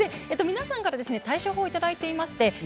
皆さんから対処法をいただいています。